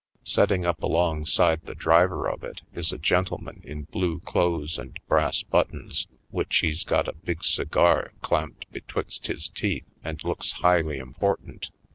Setting up alongside the driver of it is a gentleman in blue clothes and brass buttons, which he's got a big cigar clamped betwaxt his teeth and looks highly important.